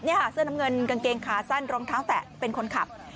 นี่ค่ะเสื้อน้ำเงินกางเกงขาสั้นรองเท้าแตะเป็นคนขับ